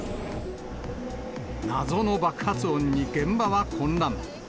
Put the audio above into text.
謎の爆発音に現場は混乱。